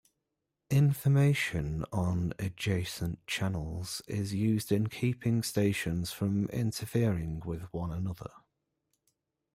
Information on adjacent channels is used in keeping stations from interfering with one another.